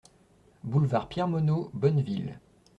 Boulevard Pierre Monod, Bonneville